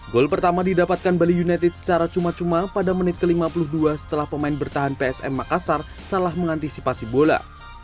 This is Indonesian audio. gol pertama didapatkan bali united secara cuma cuma pada menit ke lima puluh dua setelah pemain bertahan psm makassar salah mengantisipasi bola